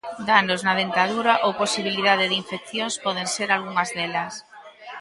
Danos na dentadura ou posibilidade de infeccións poden ser algunhas delas.